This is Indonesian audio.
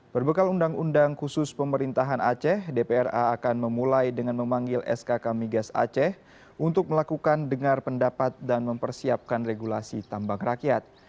berbekal undang undang khusus pemerintahan aceh dpra akan memulai dengan memanggil skk migas aceh untuk melakukan dengar pendapat dan mempersiapkan regulasi tambang rakyat